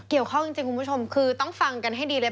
เกี่ยวข้องจริงจริงคุณผู้ชมคือต้องฟังกันให้ดีเลย